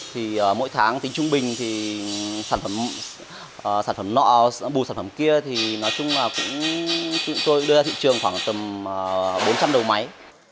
thì mỗi tháng tính trung bình thì sản phẩm sản phẩm nọ bù sản phẩm kia thì nói chung là chúng tôi đưa ra thị trường khoảng tầm bốn trăm linh đầu máy